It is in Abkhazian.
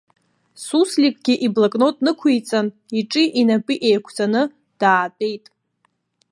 Сусликгьы иблокнот нықәиҵан, иҿи инапи еиқәҵаны даатәеит.